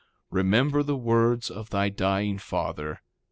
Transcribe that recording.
Remember the words of thy dying father.